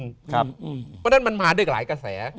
เพราะฉะนั้นมันมาด้วยหลายกระแส